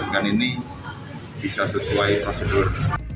kan ini bisa sesuai prosedur